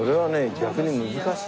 逆に難しいよ。